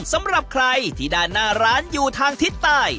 สำหรับใครที่ด้านหน้าร้านอยู่ทางทิศใต้